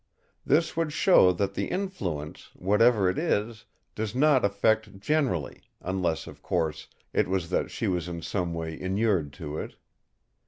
This would show that the influence, whatever it is, does not affect generally—unless, of course, it was that she was in some way inured to it.